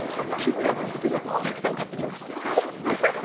たくさん買ってきました。